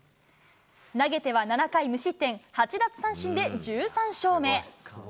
投げては７回無失点、８奪三振で１３勝目。